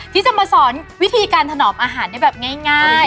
ที่จะมาสอนวิธีการถนอมอาหารได้แบบง่าย